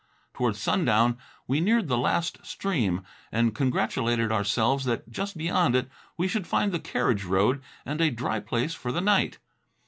Toward sundown we neared the last stream, and congratulated ourselves that just beyond it we should find the carriage road and a dry place for the night.